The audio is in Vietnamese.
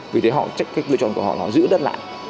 vì thế họ chắc cái lựa chọn của họ là giữ đất lại